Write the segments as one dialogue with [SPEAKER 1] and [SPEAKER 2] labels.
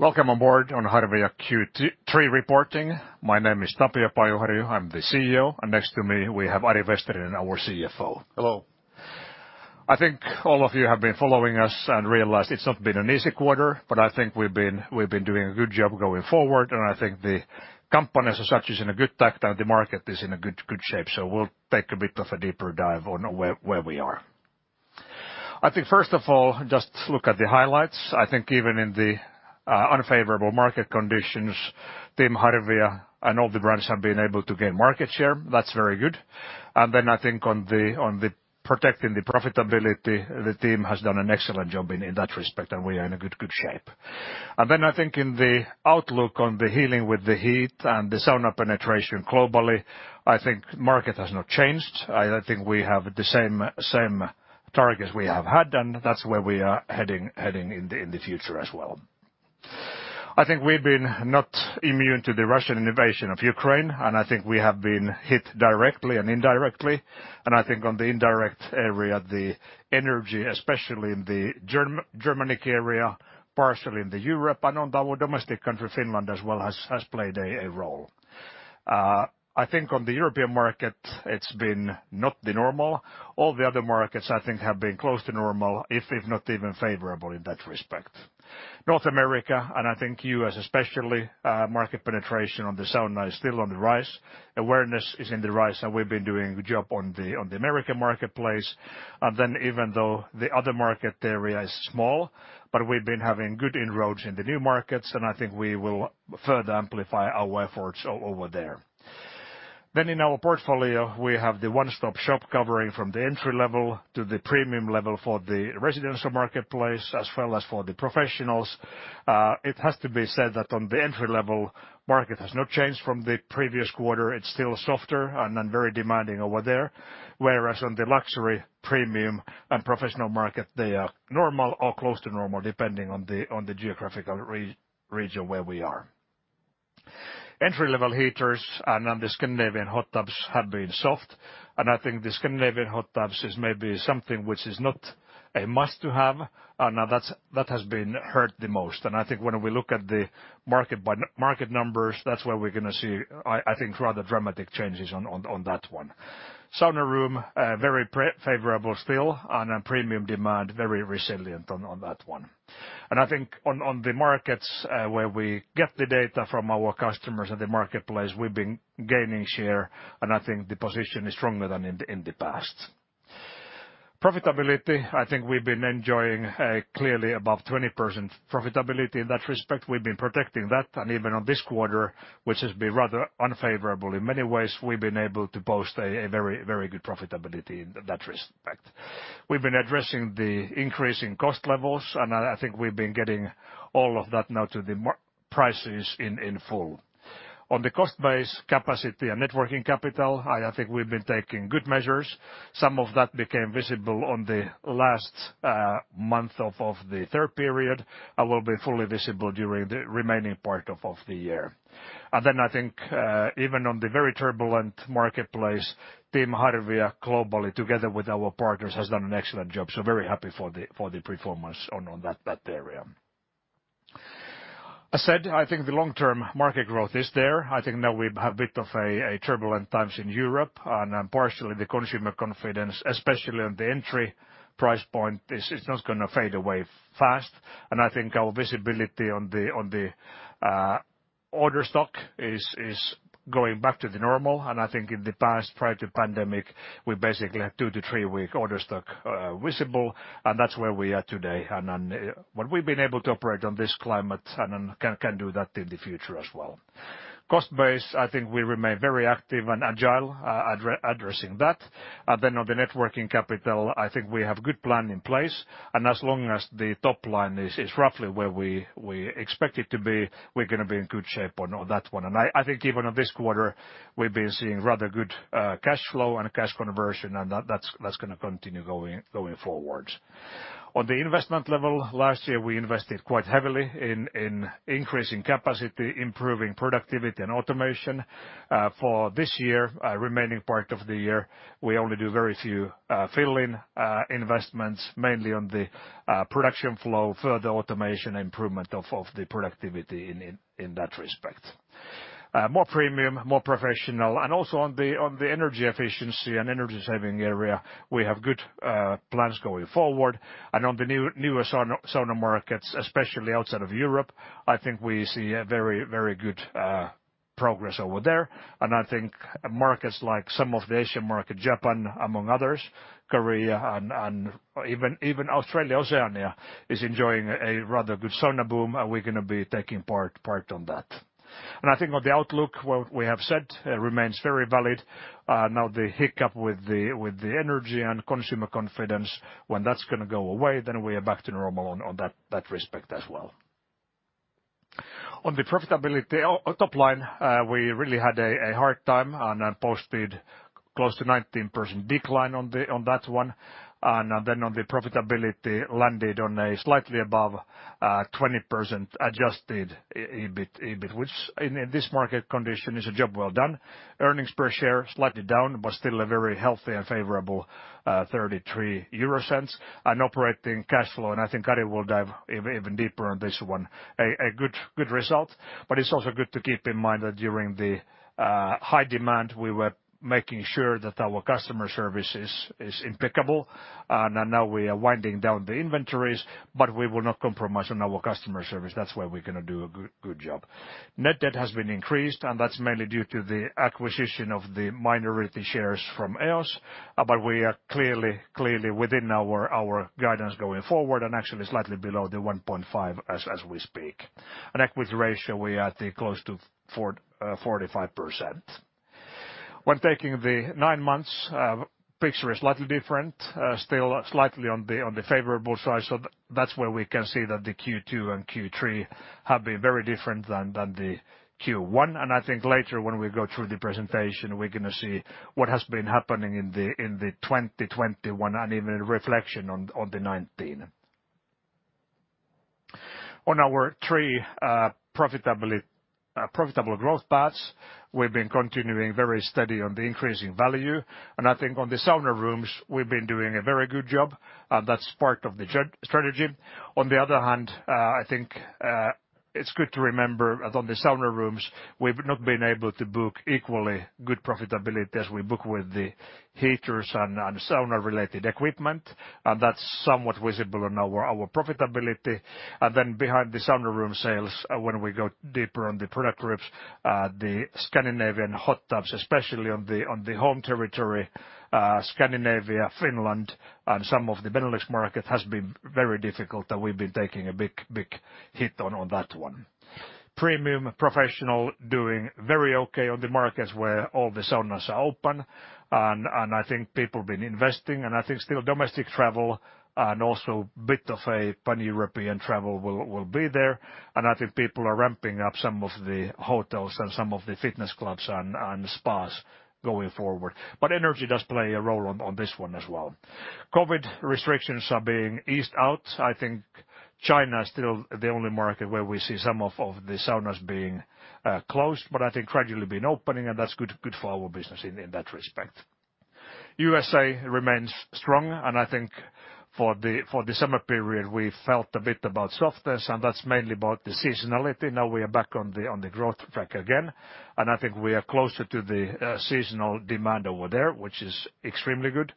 [SPEAKER 1] Welcome aboard on Harvia Q3 reporting. My name is Tapio Pajuharju, I'm the CEO, and next to me we have Ari Vesterinen, our CFO.
[SPEAKER 2] Hello.
[SPEAKER 1] I think all of you have been following us and realized it's not been an easy quarter, but I think we've been doing a good job going forward, and I think the company as such is in a good state and the market is in a good shape. We'll take a bit of a deeper dive on where we are. I think, first of all, just look at the highlights. I think even in the unfavorable market conditions, team Harvia and all the brands have been able to gain market share. That's very good. I think on the protecting the profitability, the team has done an excellent job in that respect, and we are in a good shape. I think in the outlook on the healing with the heat and the sauna penetration globally, I think market has not changed. I think we have the same targets we have had, and that's where we are heading in the future as well. I think we've been not immune to the Russian invasion of Ukraine, and I think we have been hit directly and indirectly. I think on the indirect area, the energy, especially in the Germanic area, partially in the Europe and on our domestic country, Finland as well, has played a role. I think on the European market it's been not the normal. All the other markets, I think, have been close to normal, if not even favourable in that respect. North America, and I think U.S. especially, market penetration on the sauna is still on the rise. Awareness is on the rise and we've been doing a good job on the American marketplace. Even though the other market area is small, but we've been having good inroads in the new markets, and I think we will further amplify our efforts over there. In our portfolio, we have the one-stop shop covering from the entry level to the premium level for the residential marketplace, as well as for the professionals. It has to be said that on the entry level, market has not changed from the previous quarter. It's still softer and very demanding over there. Whereas on the luxury, premium, and professional market, they are normal or close to normal depending on the geographical region where we are. Entry-level heaters and the Scandinavian hot tubs have been soft, and I think the Scandinavian hot tubs is maybe something which is not a must to have. That has been hurt the most. I think when we look at the market market numbers, that's where we're gonna see, I think, rather dramatic changes on that one. Sauna room very favourable still, and then premium demand, very resilient on that one. I think on the markets where we get the data from our customers and the marketplace, we've been gaining share, and I think the position is stronger than in the past. Profitability, I think we've been enjoying a clearly above 20% profitability in that respect. We've been protecting that. Even on this quarter, which has been rather unfavourable in many ways, we've been able to boast a very good profitability in that respect. We've been addressing the increasing cost levels, and I think we've been getting all of that now to the prices in full. On the cost base, capacity, and net working capital, I think we've been taking good measures. Some of that became visible on the last month of the third period, and will be fully visible during the remaining part of the year. I think even on the very turbulent marketplace, team Harvia globally, together with our partners, has done an excellent job. Very happy for the performance on that area. I said, I think the long-term market growth is there. I think now we have a bit of a turbulent times in Europe, and partially the consumer confidence, especially on the entry price point, this is not gonna fade away fast. I think our visibility on the order stock is going back to the normal. I think in the past, prior to pandemic, we basically had two to three-week order stock visible, and that's where we are today. Then, well, we've been able to operate in this climate and then can do that in the future as well. Cost base, I think we remain very active and agile addressing that. Then on the net working capital, I think we have good plan in place. As long as the top line is roughly where we expect it to be, we're gonna be in good shape on that one. I think even on this quarter, we've been seeing rather good cash flow and cash conversion, and that's gonna continue going forward. On the investment level, last year we invested quite heavily in increasing capacity, improving productivity and automation. For this year, remaining part of the year, we only do very few fill-in investments, mainly on the production flow, further automation, improvement of the productivity in that respect. More premium, more professional, and also on the energy efficiency and energy saving area, we have good plans going forward. On the newer sauna markets, especially outside of Europe, I think we see a very good progress over there. I think markets like some of the Asian market, Japan among others, Korea and even Australia, Oceania is enjoying a rather good sauna boom, and we're gonna be taking part on that. I think on the outlook, what we have said remains very valid. Now the hiccup with the energy and consumer confidence, when that's gonna go away, then we are back to normal on that respect as well. On the profitability on top line, we really had a hard time and then posted close to 19% decline on that one. Then on the profitability, landed on slightly above 20% Adjusted EBIT, which in this market condition is a job well done. Earnings per share slightly down, but still a very healthy and favorable 0.33 EUR. Operating cash flow, I think Ari will dive even deeper on this one, a good result. It's also good to keep in mind that during the high demand, we were making sure that our customer service is impeccable. Now we are winding down the inventories, but we will not compromise on our customer service. That's where we're gonna do a good job. Net debt has been increased, and that's mainly due to the acquisition of the minority shares from EOS. We are clearly within our guidance going forward, and actually slightly below the 1.5 as we speak. Equity ratio, we're at close to 45%. When taking the nine months picture is slightly different. Still slightly on the favourable side, so that's where we can see that the Q2 and Q3 have been very different than the Q1. I think later when we go through the presentation, we're gonna see what has been happening in the 2021, and even a reflection on the 2019. On our three profitable growth paths, we've been continuing very steady on the increasing value. I think on the sauna rooms we've been doing a very good job, and that's part of the strategy. On the other hand, I think it's good to remember that on the sauna rooms we've not been able to book equally good profitability as we book with the heaters and sauna-related equipment. That's somewhat visible in our profitability. Then behind the sauna room sales, when we go deeper on the product groups, the Scandinavian hot tubs, especially on the home territory, Scandinavia, Finland, and some of the Benelux market has been very difficult and we've been taking a big hit on that one. Premium Professional doing very okay on the markets where all the saunas are open. I think people been investing, and I think still domestic travel and also bit of a pan-European travel will be there. I think people are ramping up some of the hotels and some of the fitness clubs and spas going forward. Energy does play a role on this one as well. COVID restrictions are being eased out. I think China is still the only market where we see some of the saunas being closed. I think gradually been opening and that's good for our business in that respect. USA remains strong, and I think for the summer period we felt a bit about softness, and that's mainly about the seasonality. Now we are back on the growth track again. I think we are closer to the seasonal demand over there, which is extremely good.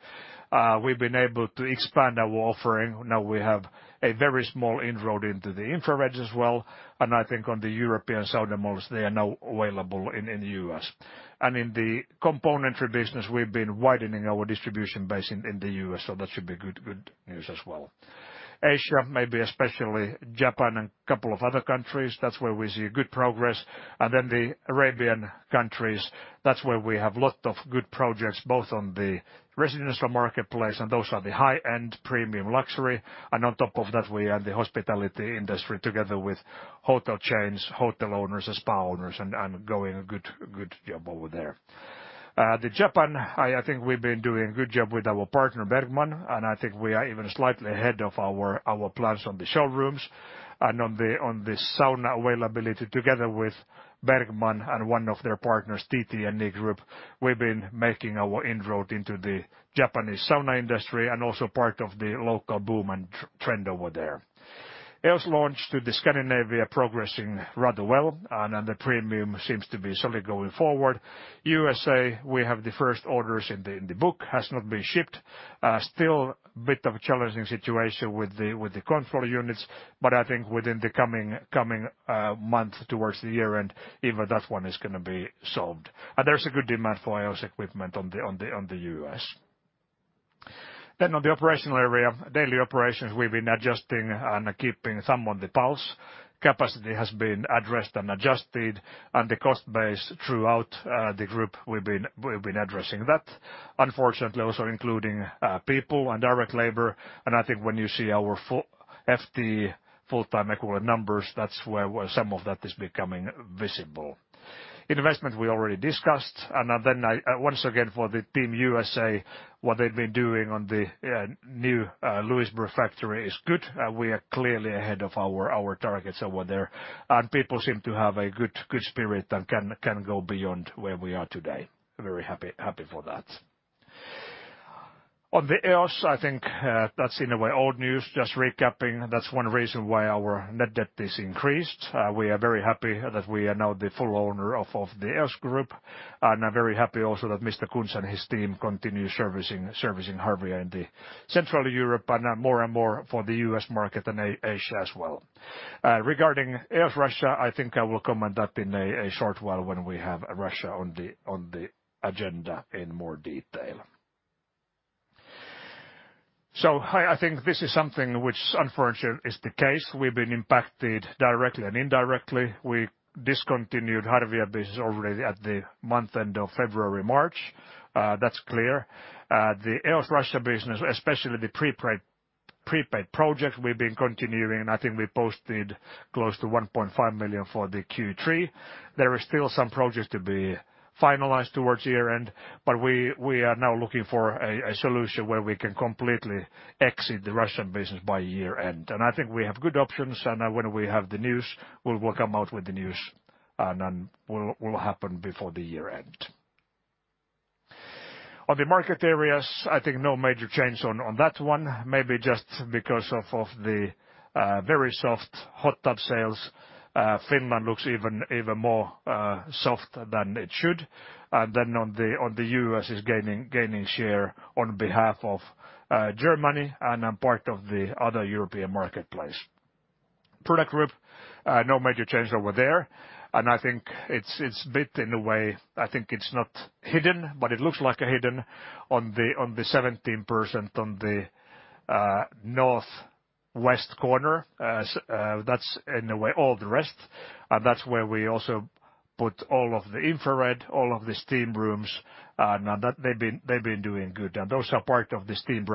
[SPEAKER 1] We've been able to expand our offering. Now we have a very small inroad into the infrared as well, and I think on the European sauna models, they are now available in the U.S. In the componentry business, we've been widening our distribution base in the U.S., so that should be good news as well. Asia, maybe especially Japan and couple of other countries, that's where we see good progress. Then the Arabian countries, that's where we have lot of good projects, both on the residential marketplace, and those are the high-end premium luxury, and on top of that we add the hospitality industry together with hotel chains, hotel owners, and spa owners, and doing good job over there. In Japan, I think we've been doing good job with our partner Bergman, and I think we are even slightly ahead of our plans on the showrooms. On the sauna availability together with Bergman and one of their partners, TTNE Group, we've been making our inroad into the Japanese sauna industry, and also part of the local boom and trend over there. EOS launch to the Scandinavia progressing rather well, and on the premium seems to be slowly going forward. USA, we have the first orders in the book. Has not been shipped. Still a bit of challenging situation with the Control Units, but I think within the coming months towards the year-end, even that one is gonna be solved. There's a good demand for EOS equipment in the U.S.. On the operational area, daily operations, we've been adjusting and keeping somewhat the pulse. Capacity has been addressed and adjusted and the cost base throughout the group we've been addressing that. Unfortunately also including people and direct labor. I think when you see our FTE, full-time equivalent numbers, that's where some of that is becoming visible. Investment we already discussed. Then I once again for the team USA, what they've been doing on the new Lewisburg factory is good. We are clearly ahead of our targets over there. People seem to have a good spirit and can go beyond where we are today. Very happy for that. On the EOS, I think that's in a way old news. Just recapping, that's one reason why our net debt is increased. We are very happy that we are now the full owner of the EOS Group. Very happy also that Mr. Kunz and his team continue servicing Harvia in the Central Europe and more and more for the U.S. market and Asia as well. Regarding EOS Russia, I think I will comment that in a short while when we have Russia on the agenda in more detail. I think this is something which unfortunately is the case. We've been impacted directly and indirectly. We discontinued Harvia business already at the month end of February, March. That's clear. The EOS Russia business, especially the pre-paid projects we've been continuing. I think we posted close to 1.5 million for the Q3. There is still some projects to be finalized towards year-end, but we are now looking for a solution where we can completely exit the Russian business by year-end. I think we have good options. When we have the news, we'll come out with the news, and then will happen before the year end. On the market areas, I think no major change on that one. Maybe just because of the very soft hot tub sales, Finland looks even more soft than it should. On the U.S. is gaining share on behalf of Germany and a part of the other European marketplace. Product group, no major change over there, and I think it's a bit in a way I think it's not hidden, but it looks like it's hidden on the 17% on the northwest corner as that's in a way all the rest. That's where we also put all of the infrared, all of the steam rooms, and they've been doing good. Those are part of the steam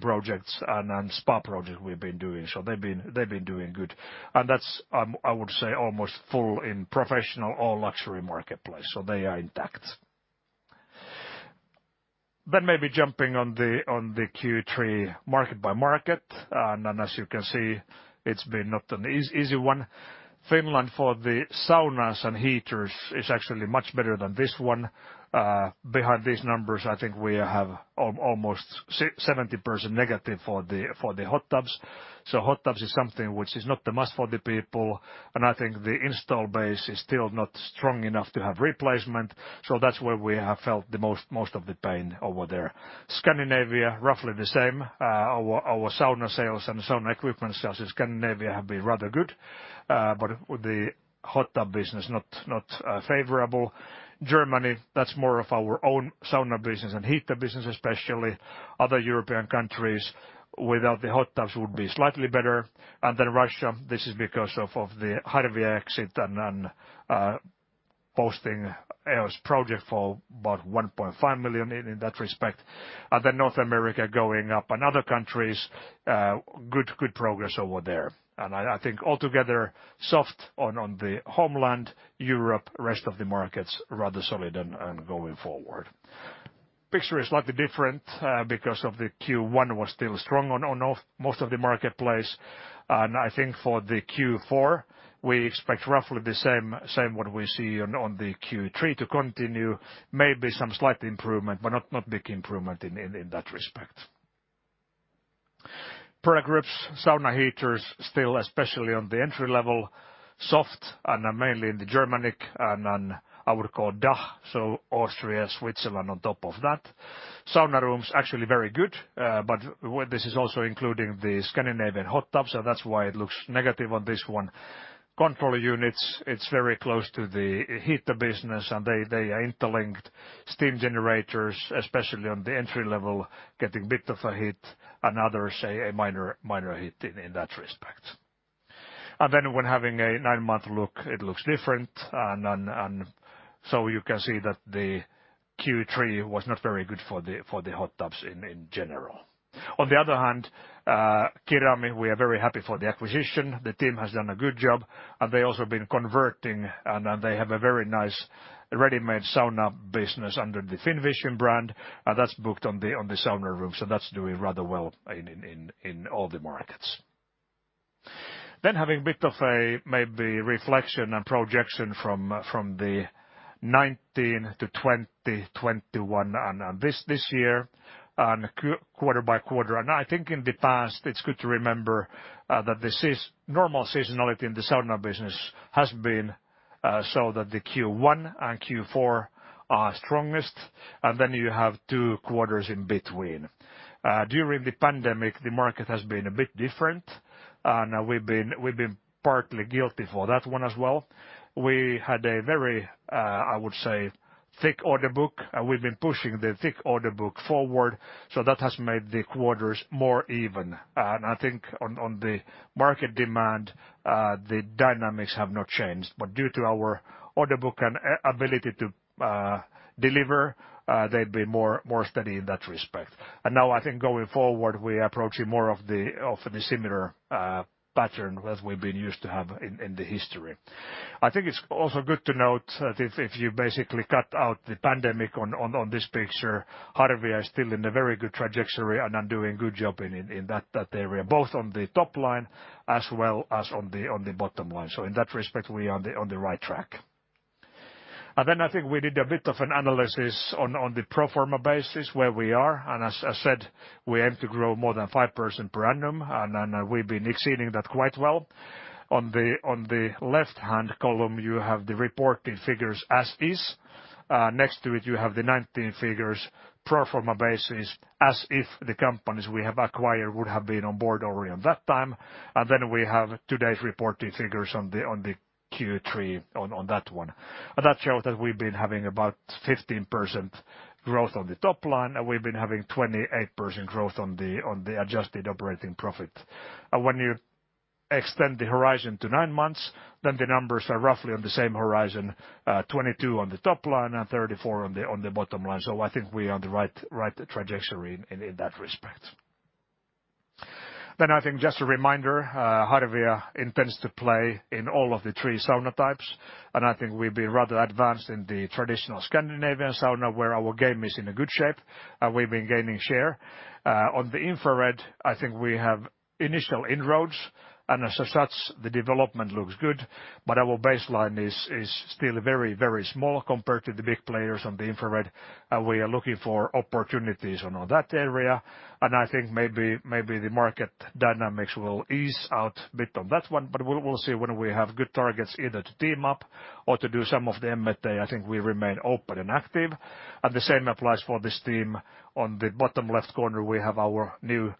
[SPEAKER 1] projects and spa projects we've been doing. They've been doing good. That's, I would say, almost fully in professional or luxury marketplace, so they are intact. Maybe jumping on the Q3 market by market. As you can see, it's been not an easy one. Finland, for the saunas and heaters it's actually much better than this one. Behind these numbers, I think we have almost 70% negative for the hot tubs. Hot tubs is something which is not a must for the people, and I think the installed base is still not strong enough to have replacement. That's where we have felt the most of the pain over there. Scandinavia, roughly the same. Our sauna sales and sauna equipment sales in Scandinavia have been rather good, but with the hot tub business not favorable. Germany, that's more of our own sauna business and heater business, especially other European countries without the hot tubs would be slightly better. Russia, this is because of the Harvia exit and posting project for about 1.5 million in that respect. North America going up and other countries good progress over there. I think altogether soft on the homeland, Europe, rest of the markets rather solid and going forward. Picture is slightly different because the Q1 was still strong on most of the marketplace. I think for the Q4, we expect roughly the same what we see on the Q3 to continue. Maybe some slight improvement, but not big improvement in that respect. Product groups, sauna heaters still, especially on the entry level, soft and mainly in the Germanic and then I would call DACH, so Austria, Switzerland on top of that. Sauna rooms actually very good, but this is also including the Scandinavian hot tubs, so that's why it looks negative on this one. Control units, it's very close to the heater business and they are interlinked. Steam generators, especially on the entry level, getting bit of a hit and others a minor hit in that respect. Then when having a nine-month look, it looks different. You can see that the Q3 was not very good for the hot tubs in general. On the other hand, Kirami, we are very happy for the acquisition. The team has done a good job, and they also been converting, and they have a very nice ready-made sauna business under the FinVision brand, and that's booked on the sauna room. So that's doing rather well in all the markets. Then having a bit of a maybe reflection and projection from the 2019 to 2020-2021 and this year and quarter-by-quarter. I think in the past, it's good to remember that the normal seasonality in the sauna business has been so that the Q1 and Q4 are strongest, and then you have two quarters in between. During the pandemic, the market has been a bit different, and we've been partly guilty for that one as well. We had a very, I would say, thick order book. We've been pushing the thick order book forward. That has made the quarters more even. I think on the market demand, the dynamics have not changed. Due to our order book and ability to deliver, they've been more steady in that respect. Now I think going forward, we approach it more of the similar pattern as we've been used to have in the history. I think it's also good to note that if you basically cut out the pandemic on this picture, Harvia is still in a very good trajectory and doing good job in that area, both on the top line as well as on the bottom line. In that respect, we are on the right track. I think we did a bit of an analysis on the pro forma basis where we are. As I said, we aim to grow more than 5% per annum, and we've been exceeding that quite well. On the left-hand column, you have the reported figures as is. Next to it, you have the 2019 figures pro forma basis as if the companies we have acquired would have been on board already on that time. We have today's reported figures on the Q3. That shows that we've been having about 15% growth on the top line, and we've been having 28% growth on the adjusted operating profit. When you extend the horizon to nine months, the numbers are roughly on the same horizon, 22% on the top line and 34% on the bottom line. I think we're on the right trajectory in that respect. I think just a reminder, Harvia intends to play in all of the three sauna types. I think we've been rather advanced in the traditional Scandinavian sauna, where our game is in good shape, and we've been gaining share. On the infrared, I think we have initial inroads, and as such, the development looks good. Our baseline is still very, very small compared to the big players on the infrared. We are looking for opportunities on that area. I think maybe the market dynamics will ease out a bit on that one. We'll see when we have good targets either to team up or to do some of the M&A. I think we remain open and active. The same applies for the steam. On the bottom left corner, we have our new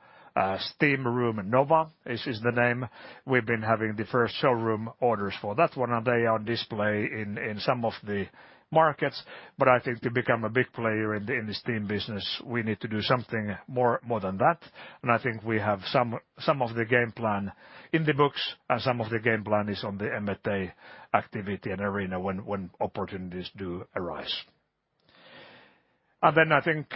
[SPEAKER 1] steam room, Nova is the name. We've been having the first showroom orders for that one, and they are on display in some of the markets. I think to become a big player in the steam business, we need to do something more than that. I think we have some of the game plan in the books, and some of the game plan is on the M&A activity and area when opportunities do arise. I think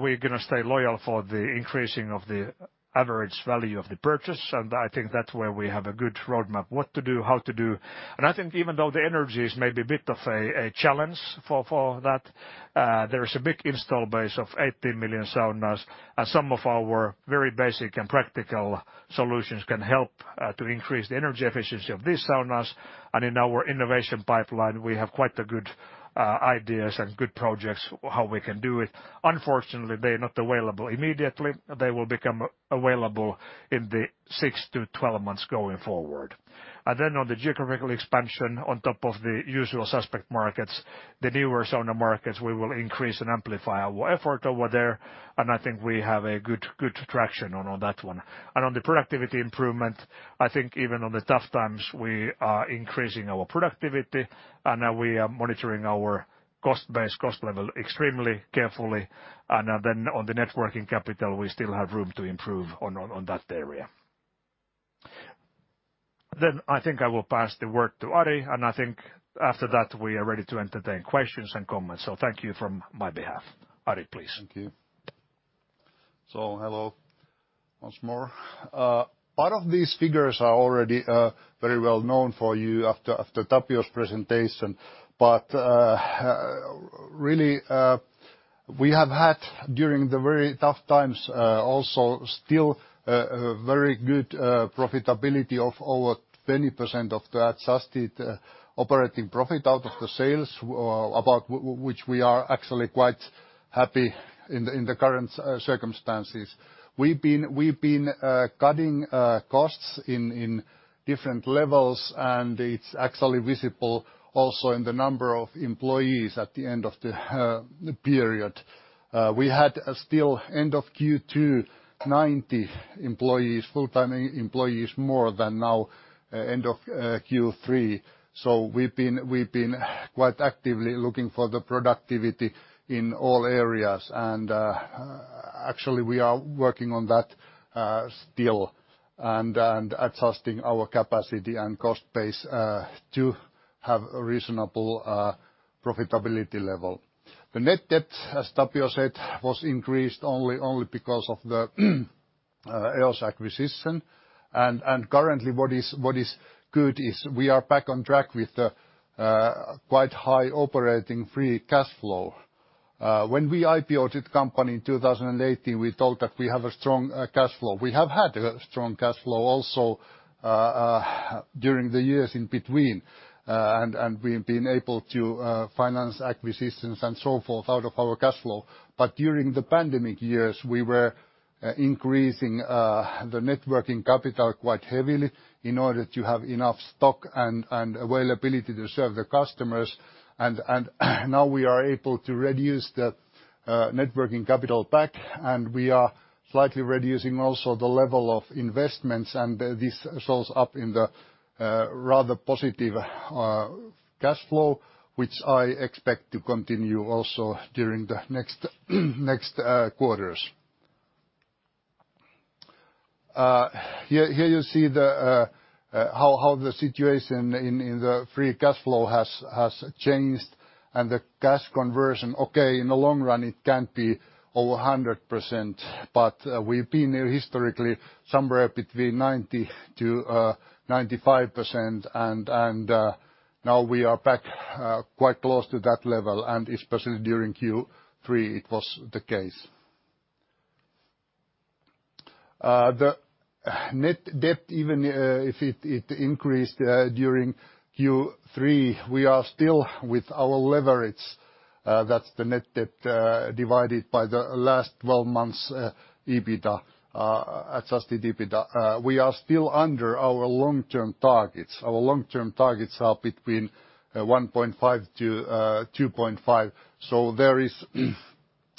[SPEAKER 1] we're gonna stay loyal for the increasing of the average value of the purchase. I think that's where we have a good roadmap, what to do, how to do. I think even though the energy is maybe a bit of a challenge for that, there is a big installed base of 18 million saunas. Some of our very basic and practical solutions can help to increase the energy efficiency of these saunas. In our innovation pipeline, we have quite a good ideas and good projects how we can do it. Unfortunately, they're not available immediately. They will become available in the six-12 months going forward. On the geographical expansion, on top of the usual suspect markets, the newer sauna markets, we will increase and amplify our effort over there. I think we have a good traction on that one. On the productivity improvement, I think even on the tough times, we are increasing our productivity. We are monitoring our cost base, cost level extremely carefully. On the net working capital, we still have room to improve on that area. I think I will pass the work to Ari, and I think after that, we are ready to entertain questions and comments. Thank you from my behalf. Ari, please.
[SPEAKER 2] Thank you. Hello once more. Part of these figures are already very well known for you after Tapio's presentation. Really, we have had during the very tough times also still a very good profitability of over 20% of the adjusted operating profit out of the sales about which we are actually quite happy in the current circumstances. We've been cutting costs in different levels, and it's actually visible also in the number of employees at the end of the period. We had still end of Q2 90 employees full-time employees more than now end of Q3. We've been quite actively looking for the productivity in all areas. Actually, we are working on that still and adjusting our capacity and cost base to have a reasonable profitability level. The net debt, as Tapio said, was increased only because of the EOS acquisition. Currently what is good is we are back on track with the quite high operating free cash flow. When we IPO-ed the company in 2018, we thought that we have a strong cash flow. We have had a strong cash flow also during the years in between, and we've been able to finance acquisitions and so forth out of our cash flow. During the pandemic years, we were increasing the net working capital quite heavily in order to have enough stock and availability to serve the customers. Now we are able to reduce the net working capital back, and we are slightly reducing also the level of investments. This shows up in the rather positive cash flow, which I expect to continue also during the next quarters. Here you see how the situation in the free cash flow has changed and the cash conversion. Okay, in the long run, it can't be over 100%, but we've been historically somewhere between 90%-95%. Now we are back quite close to that level, and especially during Q3 it was the case. The net debt, even if it increased during Q3, we are still with our leverage. That's the net debt divided by the last twelve months Adjusted EBITDA. We are still under our long-term targets. Our long-term targets are between 1.5-2.5. There is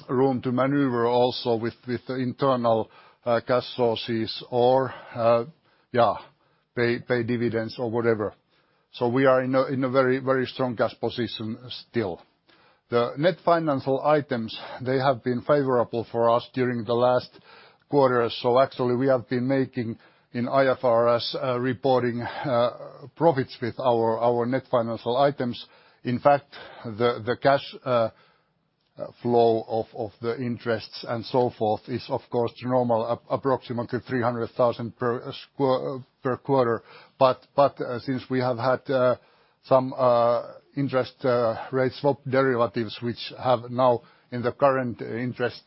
[SPEAKER 2] room to maneuver also with the internal cash sources or yeah pay dividends or whatever. We are in a very strong cash position still. The net financial items they have been favourable for us during the last quarter. Actually, we have been making an IFRS reporting profits with our net financial items. In fact, the cash flow of the interests and so forth is of course normal approximately 300,000 per quarter. Since we have had some interest rate swap derivatives which have now in the current interest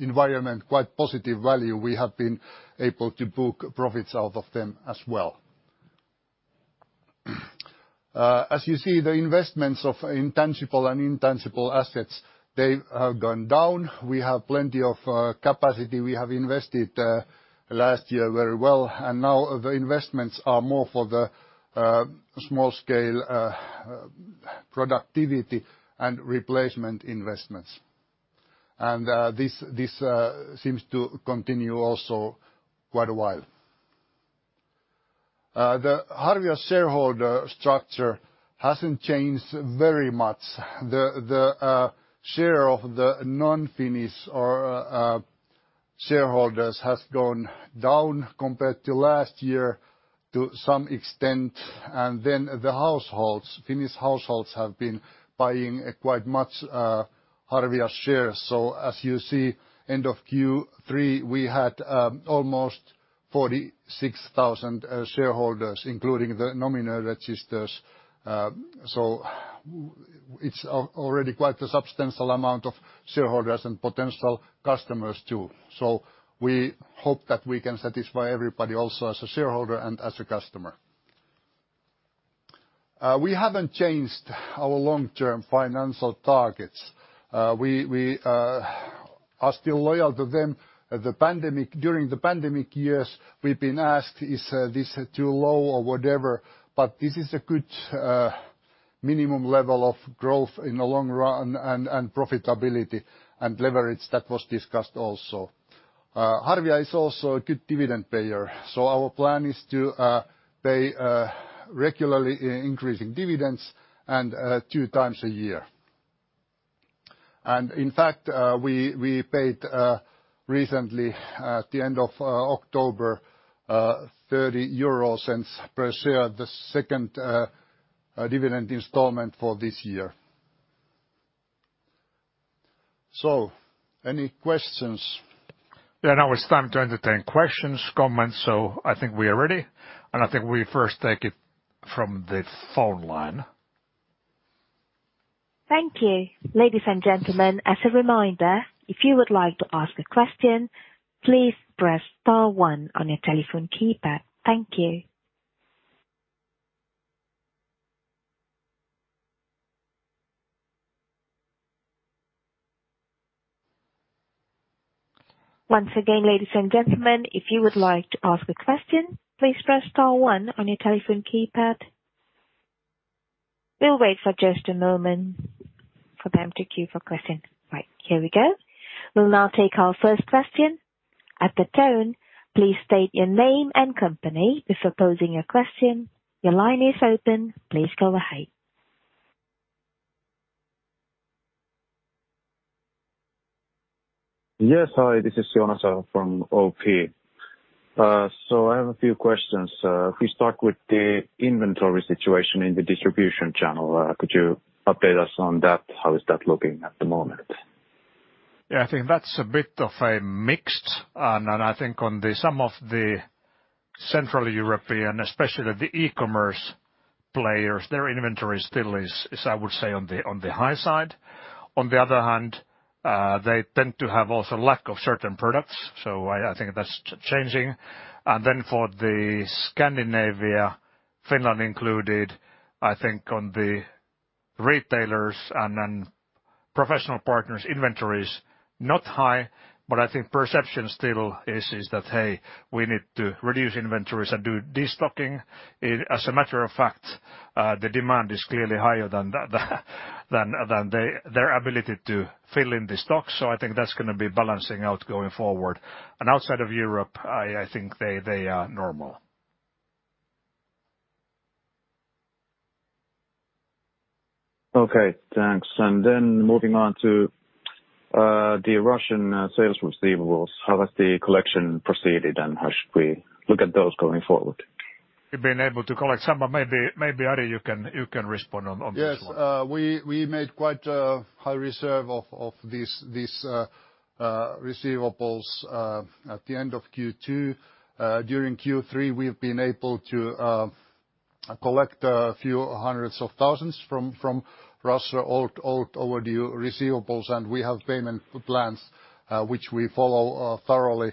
[SPEAKER 2] environment quite positive value, we have been able to book profits out of them as well. As you see the investments of intangible assets, they have gone down. We have plenty of capacity. We have invested last year very well, and now the investments are more for the small scale productivity and replacement investments. This seems to continue also quite a while. The Harvia shareholder structure hasn't changed very much. The share of the non-Finnish or shareholders has gone down compared to last year to some extent. Finnish households have been buying quite much Harvia shares. As you see, end of Q3, we had almost 46,000 shareholders, including the nominal registers. It's already quite a substantial amount of shareholders and potential customers, too. We hope that we can satisfy everybody also as a shareholder and as a customer. We haven't changed our long-term financial targets. We are still loyal to them. During the pandemic years, we've been asked, "Is this too low?" or whatever, but this is a good minimum level of growth in the long run and profitability and leverage that was discussed also. Harvia is also a good dividend payer, so our plan is to pay regularly in increasing dividends and two times a year. In fact, we paid recently at the end of October 0.30 euros per share, the second dividend installment for this year. Any questions?
[SPEAKER 1] Yeah. Now it's time to entertain questions, comments. I think we are ready, and I think we first take it from the phone line.
[SPEAKER 3] Thank you. Ladies and gentlemen, as a reminder, if you would like to ask a question, please press star one on your telephone keypad. Thank you. Once again, ladies and gentlemen, if you would like to ask a question, please press star one on your telephone keypad. We'll wait for just a moment for them to queue for questions. Right. Here we go. We'll now take our first question. At the tone, please state your name and company before posing your question. Your line is open. Please go ahead.
[SPEAKER 4] Yes. Hi, this is Jonas Harjunpää from OP. I have a few questions. If we start with the inventory situation in the distribution channel, could you update us on that? How is that looking at the moment?
[SPEAKER 1] Yeah, I think that's a bit of a mixed. I think on some of the Central European, especially the e-commerce players, their inventory still is I would say on the high side. On the other hand, they tend to have also lack of certain products. I think that's changing. For the Scandinavian, Finland included, I think the retailers and professional partners' inventory is not high, but I think perception still is that, "Hey, we need to reduce inventories and do destocking." As a matter of fact, the demand is clearly higher than their ability to fill in the stock. I think that's gonna be balancing out going forward. Outside of Europe, I think they are normal.
[SPEAKER 4] Okay. Thanks. Moving on to the Russian sales receivables. How has the collection proceeded and how should we look at those going forward?
[SPEAKER 1] We've been able to collect some, but maybe, Ari, you can respond on this one.
[SPEAKER 2] Yes. We made quite a high reserve of these receivables at the end of Q2. During Q3, we've been able to collect a few hundred thousand EUR from Russia old overdue receivables. We have payment plans which we follow thoroughly.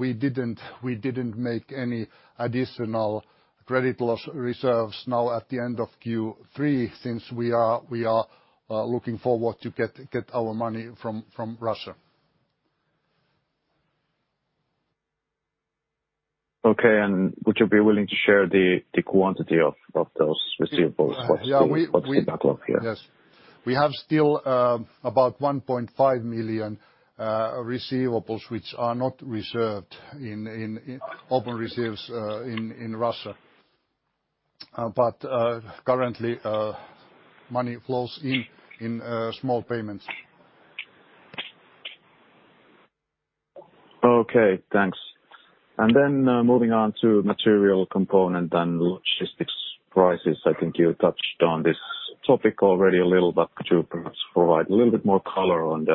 [SPEAKER 2] We didn't make any additional credit loss reserves now at the end of Q3 since we are looking forward to get our money from Russia.
[SPEAKER 4] Okay. Would you be willing to share the quantity of those receivables?
[SPEAKER 2] Yeah, we
[SPEAKER 4] What's the backlog here?
[SPEAKER 2] We have still about 1.5 million receivables which are not reserved in open receivables in Russia. Currently, money flows in small payments.
[SPEAKER 4] Okay, thanks. Moving on to material component and logistics prices. I think you touched on this topic already a little, but could you perhaps provide a little bit more color on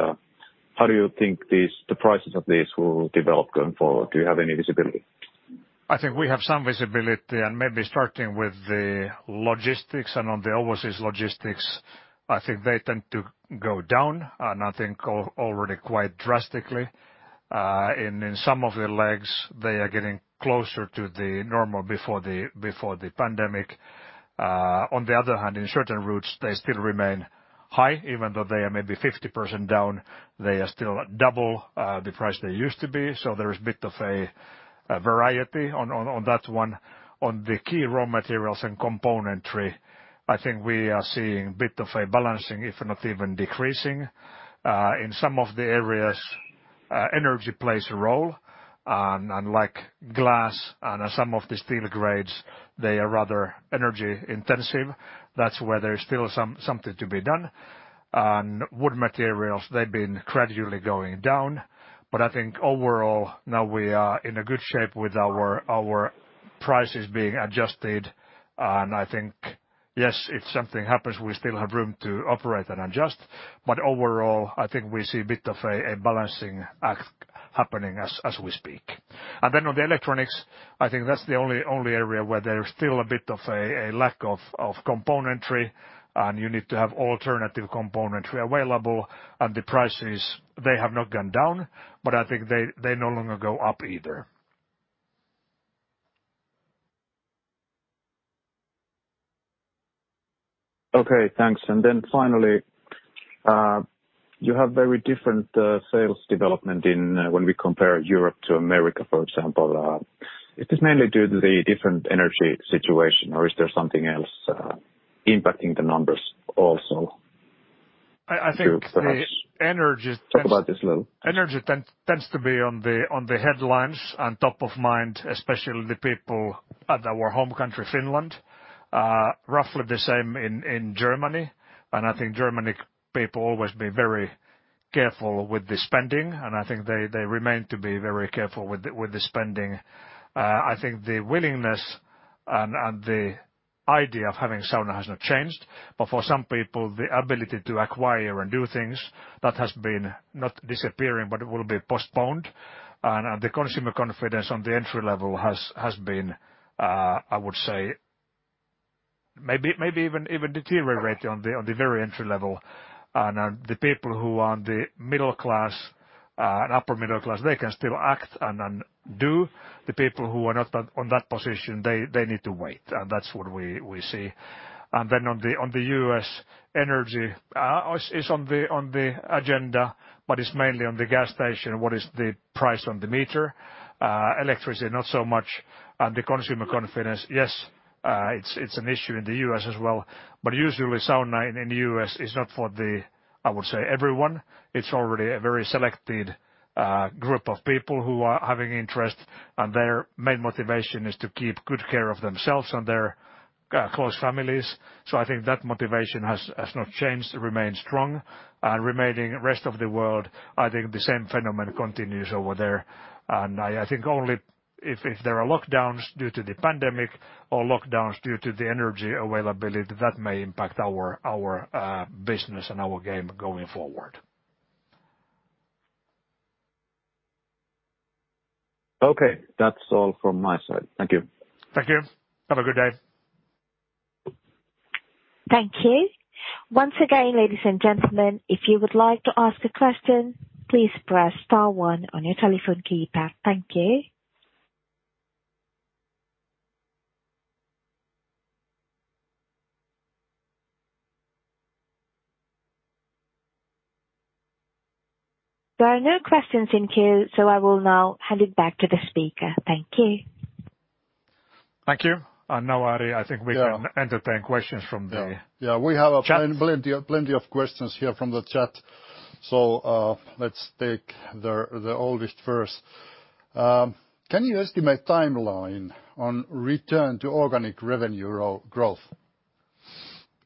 [SPEAKER 4] how you think the prices of this will develop going forward? Do you have any visibility?
[SPEAKER 1] I think we have some visibility and maybe starting with the logistics and on the overseas logistics, I think they tend to go down, and I think already quite drastically. In some of the legs, they are getting closer to the normal before the pandemic. On the other hand, in certain routes, they still remain high. Even though they are maybe 50% down, they are still double the price they used to be. There is a bit of a variety on that one. On the key raw materials and componentry, I think we are seeing a bit of a balancing if not even decreasing. In some of the areas, energy plays a role. Like glass and some of the steel grades, they are rather energy-intensive. That's where there's still something to be done. Wood materials, they've been gradually going down. I think overall, now we are in a good shape with our prices being adjusted. I think, yes, if something happens, we still have room to operate and adjust. Overall, I think we see a bit of a balancing act happening as we speak. Then on the electronics, I think that's the only area where there is still a bit of a lack of componentry, and you need to have alternative componentry available. The prices, they have not gone down, but I think they no longer go up either.
[SPEAKER 4] Okay, thanks. Finally, you have very different sales development when we compare Europe to America, for example. Is this mainly due to the different energy situation, or is there something else impacting the numbers also?
[SPEAKER 1] I think.
[SPEAKER 4] Could you perhaps?
[SPEAKER 1] The energy tends.
[SPEAKER 4] Talk about this a little?
[SPEAKER 1] Energy tends to be on the headlines and top of mind, especially the people in our home country, Finland. Roughly the same in Germany. I think German people have always been very careful with the spending, and I think they remain to be very careful with the spending. I think the willingness and the idea of having sauna has not changed, but for some people, the ability to acquire and do things, that has been not disappearing, but it will be postponed. The consumer confidence on the entry level has been, I would say maybe even deteriorating on the very entry level. The people who are the middle class and upper middle class, they can still act and then do. The people who are not on that position, they need to wait. That's what we see. In the U.S., energy is on the agenda, but it's mainly on the gas station. What is the price on the meter? Electricity, not so much. The consumer confidence, yes, it's an issue in the U.S. as well. Usually sauna in the U.S. is not for the, I would say, everyone. It's already a very selected group of people who are having interest, and their main motivation is to keep good care of themselves and their close families. I think that motivation has not changed. It remains strong. Remaining rest of the world, I think the same phenomenon continues over there. I think only if there are lockdowns due to the pandemic or lockdowns due to the energy availability, that may impact our business and our aim going forward.
[SPEAKER 4] Okay. That's all from my side. Thank you.
[SPEAKER 1] Thank you. Have a good day.
[SPEAKER 3] Thank you. Once again, ladies and gentlemen, if you would like to ask a question, please press star one on your telephone keypad. Thank you. There are no questions in queue, so I will now hand it back to the speaker. Thank you.
[SPEAKER 1] Thank you. Now, Ari, I think we can.
[SPEAKER 2] Yeah.
[SPEAKER 1] entertain questions from the
[SPEAKER 2] Yeah, we have a-
[SPEAKER 1] -chat.
[SPEAKER 2] Plenty of questions here from the chat. Let's take the oldest first. Can you estimate timeline on return to organic revenue growth?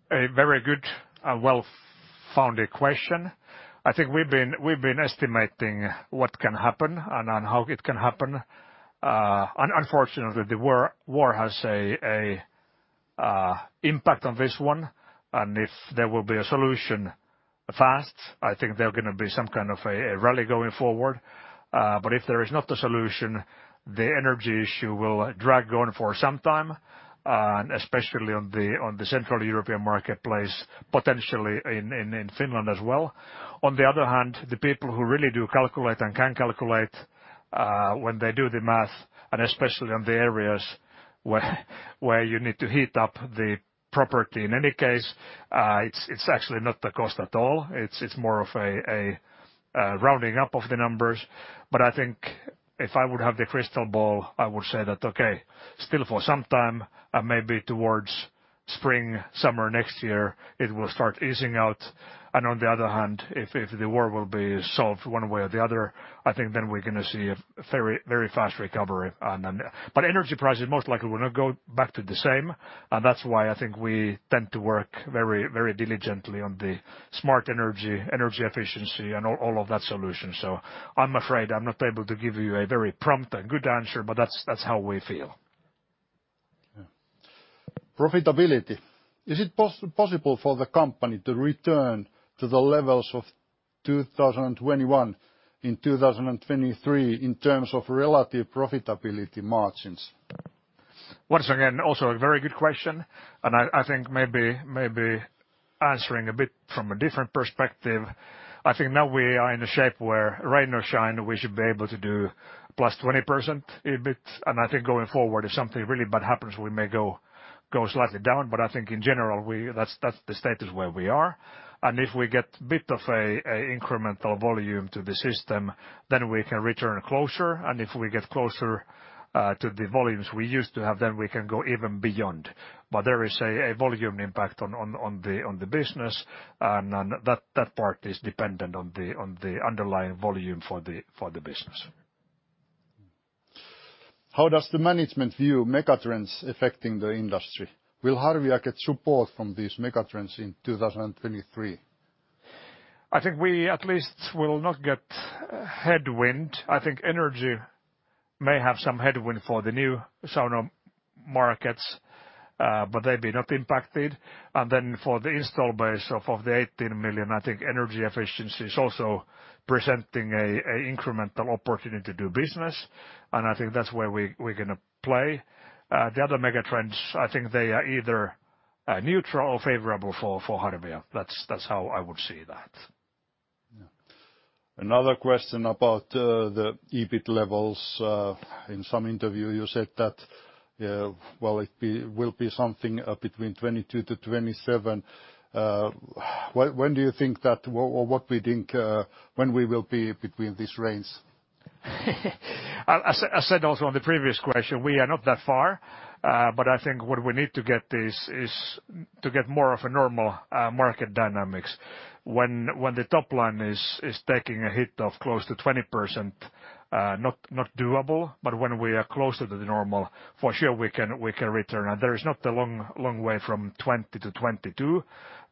[SPEAKER 1] A very good, well-founded question. I think we've been estimating what can happen and on how it can happen. Unfortunately, the war has an impact on this one. If there will be a solution fast, I think there are gonna be some kind of a rally going forward. If there is not a solution, the energy issue will drag on for some time, and especially on the Central European marketplace, potentially in Finland as well. On the other hand, the people who really do calculate and can calculate, when they do the math, and especially on the areas where you need to heat up the property, in any case, it's actually not the cost at all. It's more of a rounding up of the numbers. I think if I would have the crystal ball, I would say that okay, still for some time, maybe towards spring, summer next year, it will start easing out. On the other hand, if the war will be solved one way or the other, I think then we're gonna see a very, very fast recovery. Energy prices most likely will not go back to the same, and that's why I think we tend to work very, very diligently on the smart energy efficiency and all of that solution. I'm afraid I'm not able to give you a very prompt and good answer, but that's how we feel.
[SPEAKER 2] Yeah. Profitability. Is it possible for the company to return to the levels of 2021 in 2023 in terms of relative profitability margins?
[SPEAKER 1] Once again, also a very good question. I think maybe answering a bit from a different perspective, I think now we are in a shape where, rain or shine, we should be able to do +20% EBIT. I think going forward, if something really bad happens, we may go slightly down. I think in general, that's the status where we are. If we get bit of a incremental volume to the system, then we can return closer. If we get closer to the volumes we used to have, then we can go even beyond. There is a volume impact on the business. That part is dependent on the underlying volume for the business.
[SPEAKER 2] How does the management view megatrends affecting the industry? Will Harvia get support from these megatrends in 2023?
[SPEAKER 1] I think we at least will not get headwind. I think energy may have some headwind for the new sauna markets, but they've been impacted. For the installed base of 18 million, I think energy efficiency is also presenting an incremental opportunity to do business. I think that's where we're gonna play. The other megatrends, I think they are either neutral or favorable for Harvia. That's how I would see that.
[SPEAKER 2] Yeah. Another question about the EBIT levels. In some interview, you said that well, it will be something between 22%-27%. When do you think that or what we think when we will be between this range?
[SPEAKER 1] As I said also on the previous question, we are not that far. I think what we need to get this is to get more of a normal market dynamics. When the top line is taking a hit of close to 20%, not doable, but when we are closer to the normal, for sure we can return. There is not a long way from 20%-22%.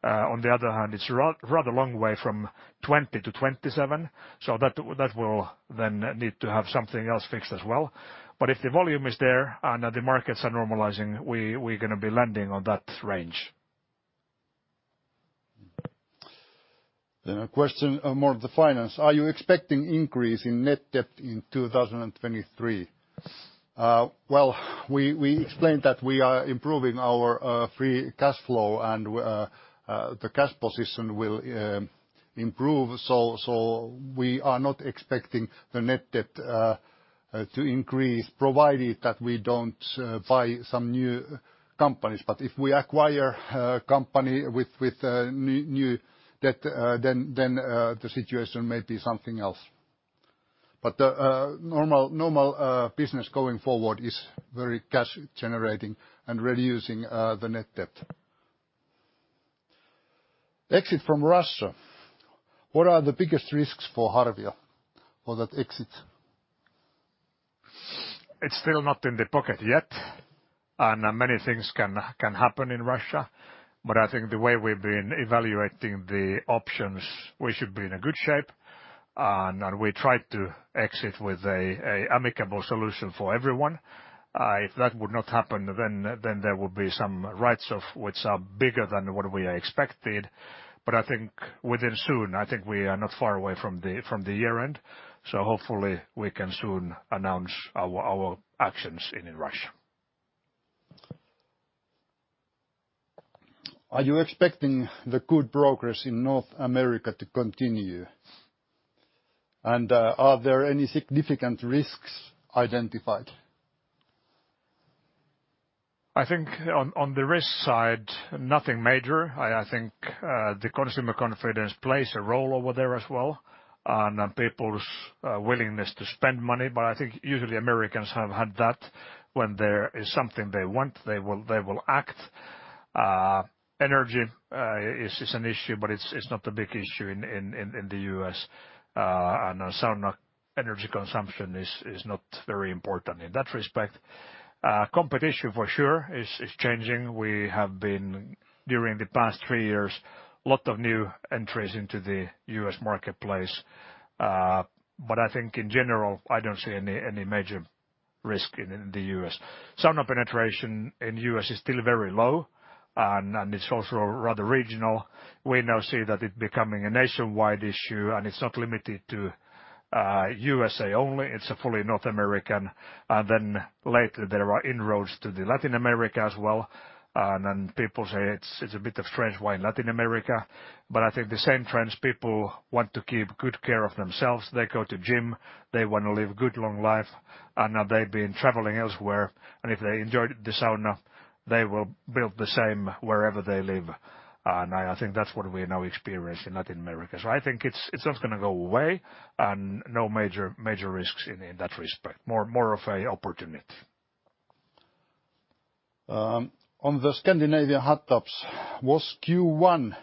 [SPEAKER 1] On the other hand, it's rather long way from 20%-27%, so that will then need to have something else fixed as well. If the volume is there and the markets are normalizing, we're gonna be landing on that range.
[SPEAKER 2] A question on more of the finance. Are you expecting increase in net debt in 2023?
[SPEAKER 1] Well, we explained that we are improving our free cash flow and the cash position will improve, so we are not expecting the net debt to increase provided that we don't buy some new companies. If we acquire a company with new debt, then the situation may be something else. The normal business going forward is very cash generating and reducing the net debt.
[SPEAKER 2] Exit from Russia. What are the biggest risks for Harvia for that exit?
[SPEAKER 1] It's still not in the pocket yet, and many things can happen in Russia. I think the way we've been evaluating the options, we should be in a good shape and we tried to exit with an amicable solution for everyone. If that would not happen, then there would be some write-offs which are bigger than what we expected. I think we're in soon. I think we are not far away from the year-end, so hopefully we can soon announce our actions in Russia.
[SPEAKER 2] Are you expecting the good progress in North America to continue? Are there any significant risks identified?
[SPEAKER 1] I think on the risk side, nothing major. I think the consumer confidence plays a role over there as well, and people's willingness to spend money. I think usually Americans have had that. When there is something they want, they will act. Energy is an issue, but it's not a big issue in the U.S. Sauna energy consumption is not very important in that respect. Competition for sure is changing. There have been during the past three years a lot of new entries into the U.S. marketplace. But I think in general, I don't see any major risk in the U.S. Sauna penetration in U.S. is still very low and it's also rather regional. We now see that it's becoming a nationwide issue, and it's not limited to USA only. It's fully North American. Later there are inroads to Latin America as well. People say it's a bit strange why Latin America. I think the same trends, people want to take good care of themselves. They go to gym. They want to live good long life. Now they've been traveling elsewhere. If they enjoyed the sauna, they will build the same wherever they live. I think that's what we now experience in Latin America. I think it's not gonna go away, and no major risks in that respect. More of a opportunity.
[SPEAKER 2] On the Scandinavian hot tubs, was Q1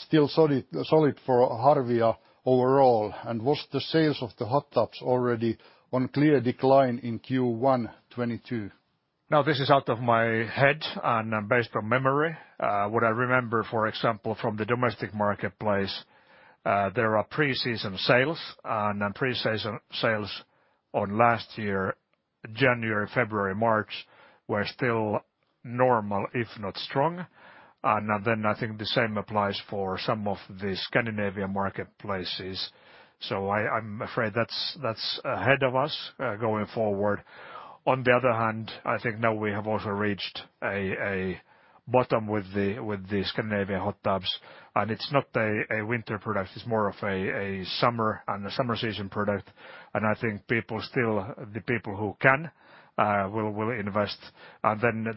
[SPEAKER 2] still solid for Harvia overall? Was the sales of the hot tubs already on clear decline in Q1 2022?
[SPEAKER 1] Now this is out of my head and based on memory. What I remember, for example, from the domestic marketplace, there are pre-season sales. Pre-season sales on last year, January, February, March were still normal, if not strong. I think the same applies for some of the Scandinavian marketplaces. I'm afraid that's ahead of us, going forward. On the other hand, I think now we have also reached a bottom with the Scandinavian hot tubs, and it's not a winter product. It's more of a summer and a summer season product. I think the people who can will invest.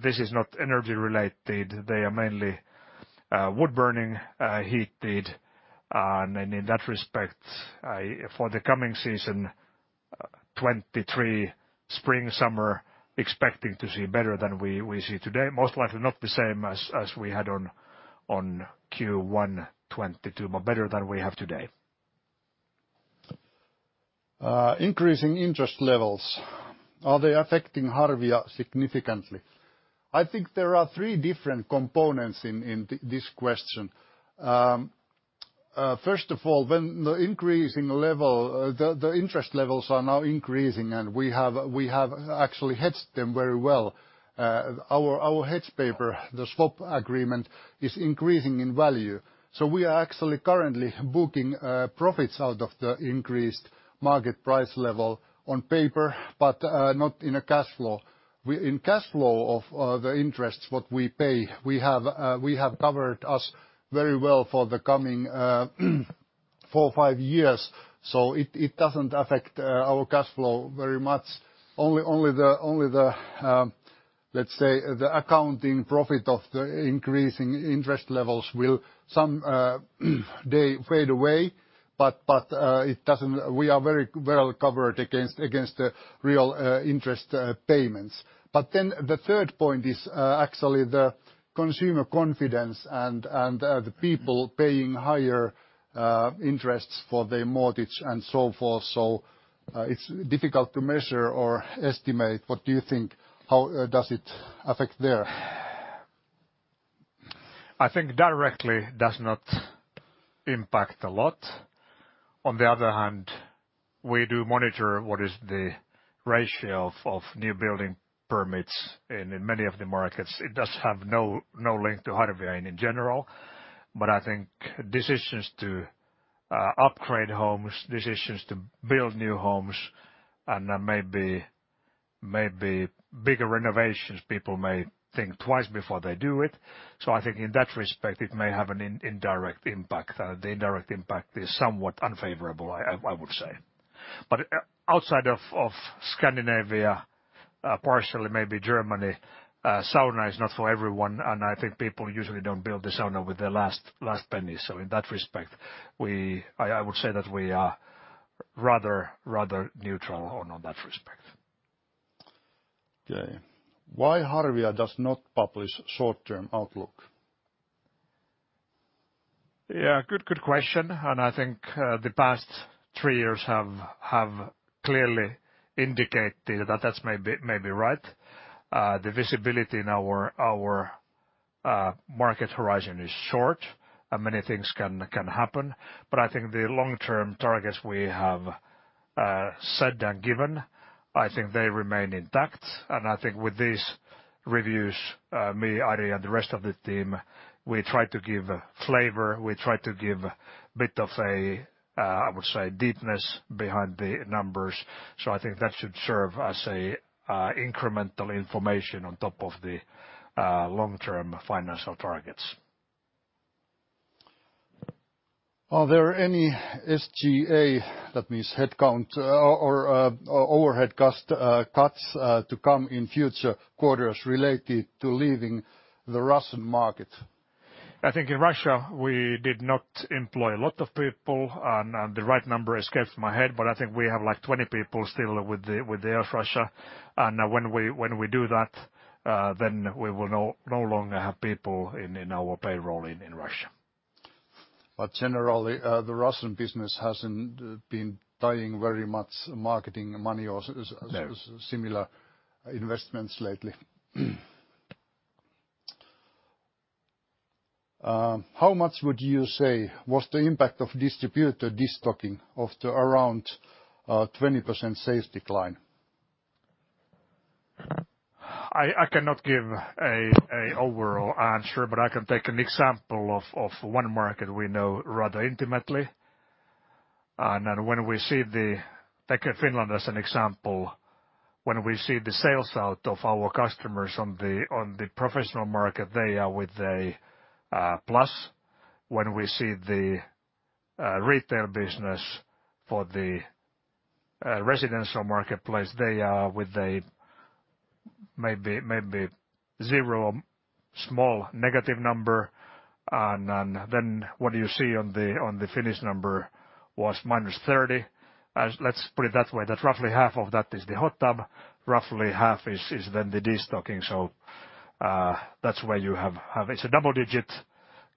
[SPEAKER 1] This is not energy related. They are mainly wood-burning heated. In that respect, for the coming season, 2023, spring, summer, expecting to see better than we see today. Most likely not the same as we had on Q1 2022, but better than we have today.
[SPEAKER 2] Increasing interest levels, are they affecting Harvia significantly? I think there are three different components in this question. First of all, the interest levels are now increasing and we have actually hedged them very well. Our hedge paper, the swap agreement, is increasing in value. We are actually currently booking profits out of the increased market price level on paper, but not in a cash flow. In cash flow of the interest what we pay, we have covered us very well for the coming four-five years so it doesn't affect our cash flow very much. Only the, let's say, the accounting profit of the increasing interest levels will some day fade away, but it doesn't. We are very well covered against the real interest payments. The third point is actually the consumer confidence and the people paying higher interests for their mortgage and so forth. It's difficult to measure or estimate. What do you think? How does it affect there?
[SPEAKER 1] I think directly does not impact a lot. On the other hand, we do monitor what is the ratio of new building permits in many of the markets. It does have no link to Harvia in general. I think decisions to upgrade homes, decisions to build new homes and then maybe bigger renovations, people may think twice before they do it. I think in that respect, it may have an indirect impact. The indirect impact is somewhat unfavorable, I would say. Outside of Scandinavia, partially maybe Germany, sauna is not for everyone, and I think people usually don't build the sauna with their last penny. In that respect, we would say that we are rather neutral on that respect.
[SPEAKER 2] Okay. Why Harvia does not publish short-term outlook?
[SPEAKER 1] Yeah, good question. I think the past three years have clearly indicated that that's maybe right. The visibility in our market horizon is short, and many things can happen. I think the long-term targets we have set and given, I think they remain intact. I think with these reviews, me, Ari, and the rest of the team, we try to give flavor, a bit of a, I would say, deepness behind the numbers. I think that should serve as incremental information on top of the long-term financial targets.
[SPEAKER 2] Are there any SG&A, that means headcount, or overhead cost cuts to come in future quarters related to leaving the Russian market?
[SPEAKER 1] I think in Russia, we did not employ a lot of people and the right number escapes my head, but I think we have, like, 20 people still with the Harvia Russia. When we do that, then we will no longer have people in our payroll in Russia.
[SPEAKER 2] Generally, the Russian business hasn't been tying very much marketing money or
[SPEAKER 1] No.
[SPEAKER 2] similar investments lately. How much would you say was the impact of distributor destocking on the around 20% sales decline?
[SPEAKER 1] I cannot give an overall answer, but I can take an example of one market we know rather intimately. Take Finland as an example. When we see the sales out of our customers on the professional market, they are with a plus. When we see the retail business for the residential marketplace, they are with a maybe zero, small negative number. What you see on the final number was -30%. Let's put it that way, that roughly half of that is the hot tub, roughly half is then the destocking. That's why you have. It's a double digit.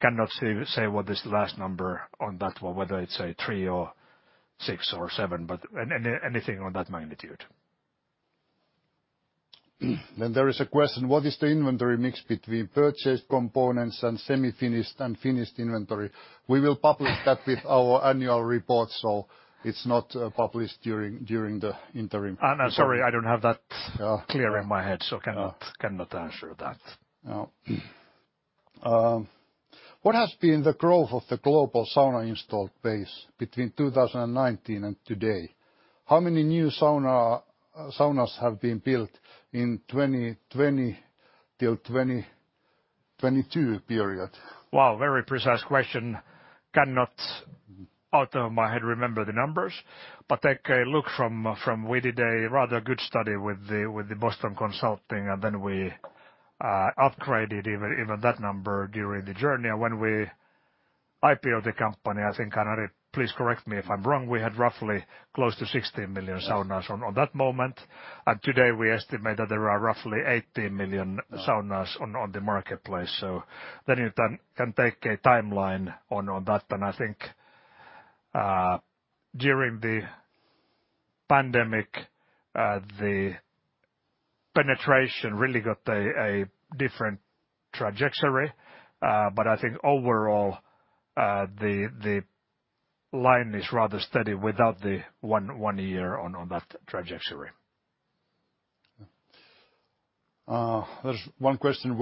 [SPEAKER 1] I cannot say what is the last number on that one, whether it's a three or six or seven, but anything on that magnitude.
[SPEAKER 2] There is a question, what is the inventory mix between purchased components and semi-finished and finished inventory? We will publish that with our annual report, so it's not published during the interim.
[SPEAKER 1] Sorry, I don't have that.
[SPEAKER 2] Yeah.
[SPEAKER 1] -clear in my head, so cannot-
[SPEAKER 2] Yeah.
[SPEAKER 1] Cannot answer that.
[SPEAKER 2] No. What has been the growth of the global sauna installed base between 2019 and today? How many new saunas have been built in 2020 till 2022 period?
[SPEAKER 1] Wow, very precise question. Cannot out of my head remember the numbers, but take a look from we did a rather good study with the Boston Consulting Group, and then we upgraded even that number during the journey. When we IPO-ed the company, I think, and please correct me if I'm wrong, we had roughly close to 16 million saunas-
[SPEAKER 2] Yes.
[SPEAKER 1] on that moment. Today we estimate that there are roughly 18 million saunas on the marketplace. You can take a timeline on that. I think during the pandemic, the penetration really got a different trajectory. But I think overall, the line is rather steady without the one year on that trajectory.
[SPEAKER 2] There's one question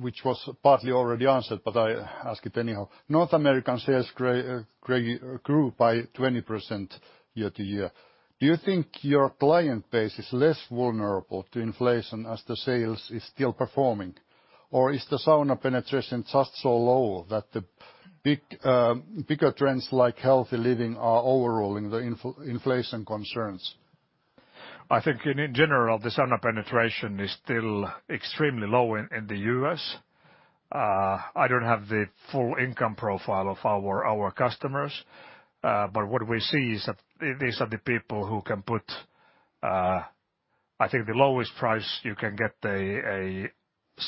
[SPEAKER 2] which was partly already answered, but I ask it anyhow. North American sales grew by 20% year-over-year. Do you think your client base is less vulnerable to inflation as the sales is still performing? Or is the sauna penetration just so low that the bigger trends like healthy living are overruling the inflation concerns?
[SPEAKER 1] I think in general, the sauna penetration is still extremely low in the U.S. I don't have the full income profile of our customers. What we see is that these are the people who can put, I think the lowest price you can get a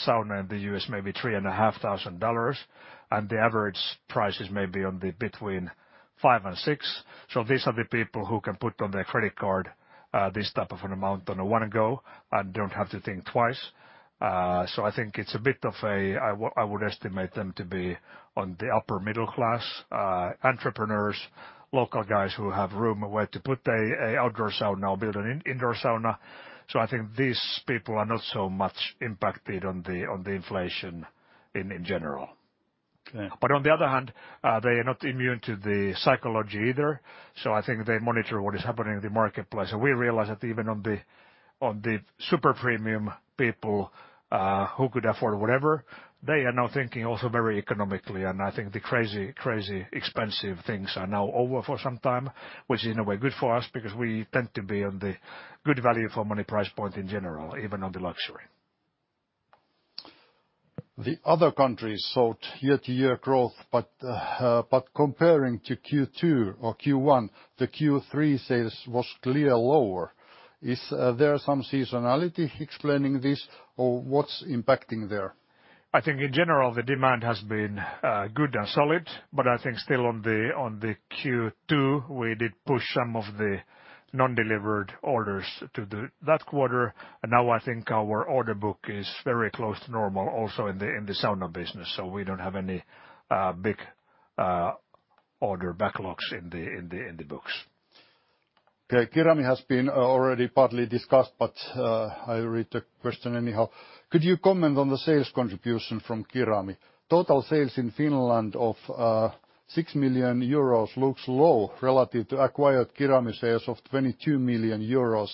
[SPEAKER 1] sauna in the U.S. may be $3,500, and the average price is maybe $5,000-$6,000. These are the people who can put on their credit card this type of an amount in one go and don't have to think twice. I think it's a bit of a, i would estimate them to be in the upper middle class, entrepreneurs, local guys who have room where to put an outdoor sauna or build an indoor sauna. I think these people are not so much impacted on the inflation in general.
[SPEAKER 2] Yeah.
[SPEAKER 1] On the other hand, they are not immune to the psychology either. I think they monitor what is happening in the marketplace. We realize that even on the super premium people who could afford whatever, they are now thinking also very economically. I think the crazy expensive things are now over for some time, which is in a way good for us because we tend to be on the good value for money price point in general, even on the luxury.
[SPEAKER 2] The other countries saw year-to-year growth, but comparing to Q2 or Q1, the Q3 sales was clearly lower. Is there some seasonality explaining this or what's impacting there?
[SPEAKER 1] I think in general, the demand has been good and solid, but I think still on the Q2, we did push some of the non-delivered orders to that quarter. Now I think our order book is very close to normal also in the sauna business. We don't have any big order backlogs in the books.
[SPEAKER 2] Okay. Kirami has been already partly discussed, but I read the question anyhow. Could you comment on the sales contribution from Kirami? Total sales in Finland of 6 million euros looks low relative to acquired Kirami sales of 22 million euros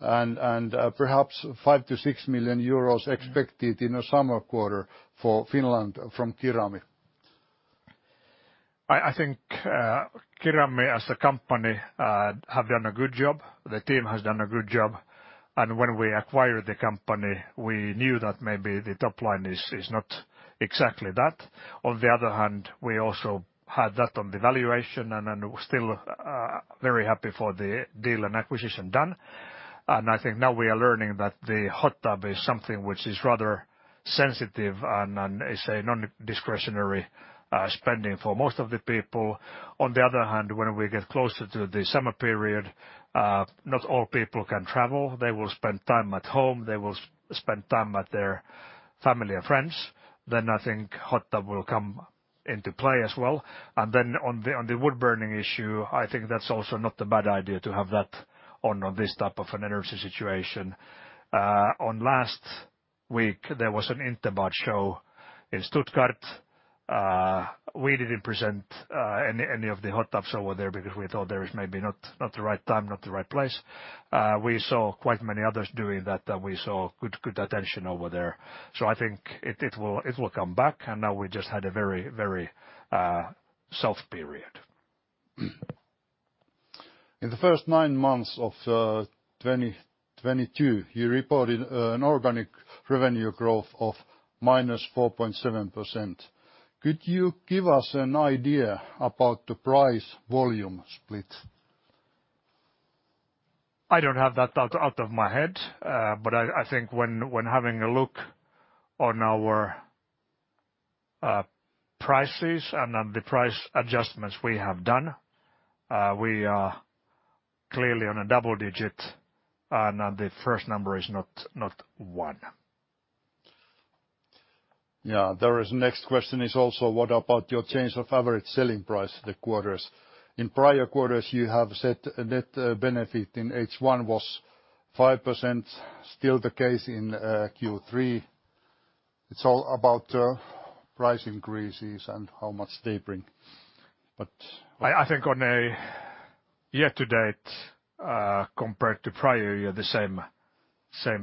[SPEAKER 2] and perhaps 5 million - 6 million euros expected in the summer quarter for Finland from Kirami.
[SPEAKER 1] I think Kirami as a company have done a good job. The team has done a good job. When we acquired the company, we knew that maybe the top line is not exactly that. On the other hand, we also had that on the valuation and still very happy for the deal and acquisition done. I think now we are learning that the hot tub is something which is rather sensitive and is a non-discretionary spending for most of the people. On the other hand, when we get closer to the summer period, not all people can travel. They will spend time at home. They will spend time at their family and friends. I think hot tub will come into play as well. On the wood burning issue, I think that's also not a bad idea to have that on this type of an energy situation. Last week, there was an interbad show in Stuttgart. We didn't present any of the hot tubs over there because we thought there is maybe not the right time, not the right place. We saw quite many others doing that we saw good attention over there. I think it will come back and now we just had a very soft period.
[SPEAKER 2] In the first nine months of 2022, you reported an organic revenue growth of -4.7%. Could you give us an idea about the price volume split?
[SPEAKER 1] I don't have that out of my head. I think when having a look on our prices and on the price adjustments we have done, we are clearly on a double digit. The first number is not one.
[SPEAKER 2] Next question is also what about your change of average selling price the quarters? In prior quarters you have said net benefit in H1 was 5%, still the case in Q3. It's all about price increases and how much they bring.
[SPEAKER 1] I think on a year-to-date, compared to prior year, the same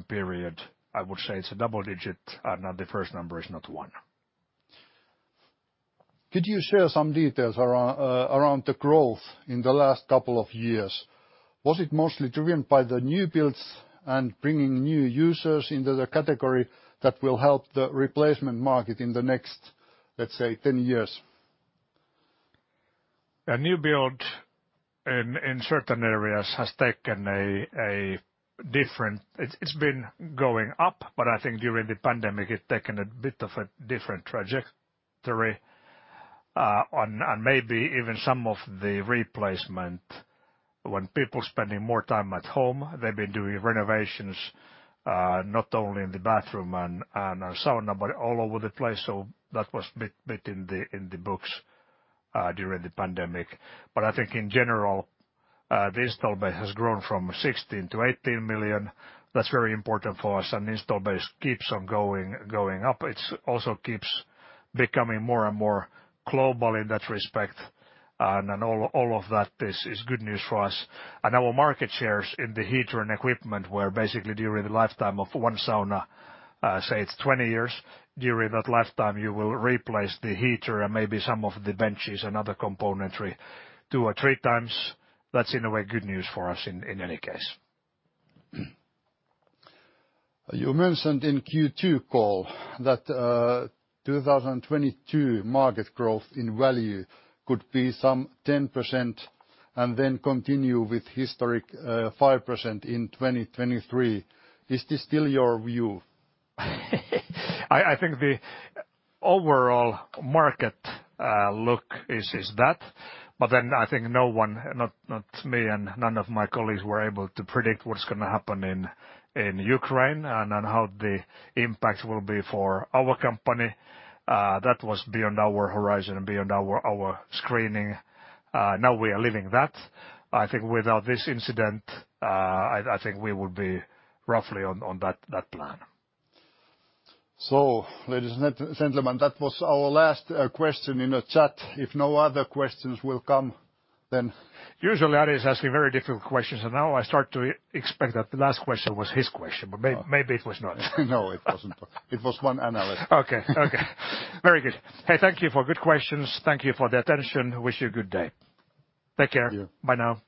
[SPEAKER 1] period, I would say it's a double-digit and the first number is not one.
[SPEAKER 2] Could you share some details around the growth in the last couple of years? Was it mostly driven by the new builds and bringing new users into the category that will help the replacement market in the next, let's say, 10 years?
[SPEAKER 1] It's been going up, but I think during the pandemic it's taken a bit of a different trajectory. Maybe even some of the replacement when people spending more time at home, they've been doing renovations, not only in the bathroom and sauna, but all over the place. That was a bit in the books during the pandemic. I think in general, the installed base has grown from 16 to 18 million. That's very important for us. The installed base keeps on going up. It also keeps becoming more and more global in that respect. All of that is good news for us. Our market shares in the heater and equipment were basically during the lifetime of one sauna, say it's 20 years. During that lifetime, you will replace the heater and maybe some of the benches and other componentry two or three times. That's in a way good news for us in any case.
[SPEAKER 2] You mentioned in Q2 call that, 2022 market growth in value could be some 10% and then continue with historic, 5% in 2023. Is this still your view?
[SPEAKER 1] I think the overall market look is that. I think no one, not me and none of my colleagues were able to predict what's gonna happen in Ukraine and then how the impact will be for our company. That was beyond our horizon and beyond our screening. Now we are living that. I think without this incident, I think we would be roughly on that plan.
[SPEAKER 2] Ladies and gentlemen, that was our last question in the chat. If no other questions will come, then.
[SPEAKER 1] Usually Ari is asking very difficult questions. Now I start to expect that the last question was his question, but maybe it was not.
[SPEAKER 2] No, it wasn't. It was one analyst.
[SPEAKER 1] Okay. Very good. Hey, thank you for good questions. Thank you for the attention. Wish you a good day. Take care.
[SPEAKER 2] Thank you.
[SPEAKER 1] Bye now.